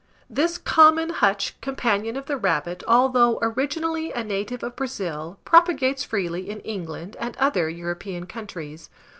This common hutch companion of the rabbit, although originally a native of Brazil, propagates freely in England and other European countries.